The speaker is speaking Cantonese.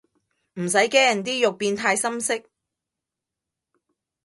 唔使驚啲肉變太深色